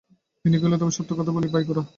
বিনয় কহিল, তবে সত্য কথা বলি ভাই গোরা।